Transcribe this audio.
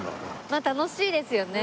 まあ楽しいですよね。